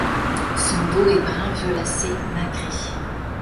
Son dos est brun violacé nacré.